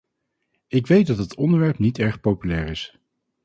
Ik weet dat het onderwerp niet erg populair is.